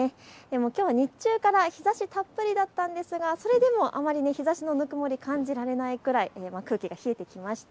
きょうは日中から日ざしたっぷりだったんですが、それでもあまり日ざしのぬくもり、感じられないくらい、空気が冷えてきました。